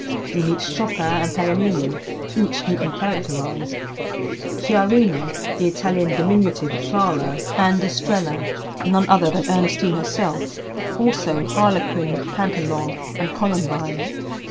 We meet Chopin and Paganini, each neatly characterized; Chiarina (the Italian diminutive of Clara) and Estrella (none other than Ernestine herself); also Harlequin, Pantalon, and Columbine.